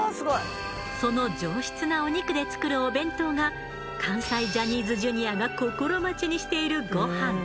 その上質なお肉で作るお弁当が関西ジャニーズＪｒ．が心待ちにしているゴハン。